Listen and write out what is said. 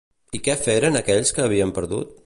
I què feren aquells que havien perdut?